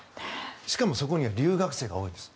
しかもそこには留学生が多いです。